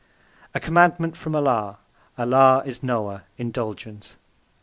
A commandment from Allah. Allah is Knower, Indulgent.